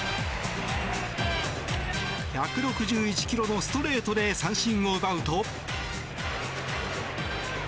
１６１ｋｍのストレートで三振を奪うと。